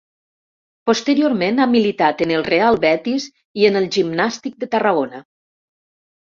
Posteriorment, ha militat en el Real Betis i en el Gimnàstic de Tarragona.